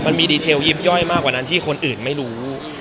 มันมีดีเทลยิบย่อยมากกว่านั้นที่คนอื่นไม่รู้